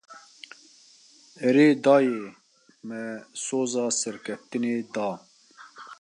Erê dayê, me soza serkeftinê da.